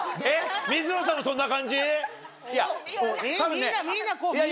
水野さんもそんな感じ？